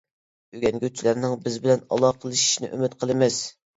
ئۆگەنگۈچىلەرنىڭ بىز بىلەن ئالاقىلىشىشىنى ئۈمىد قىلىمىز.